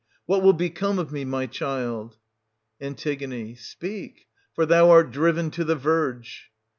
— What will become of me, my child ? An. Speak, — for thou art driven to the verge.